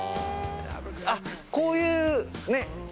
あっこういう。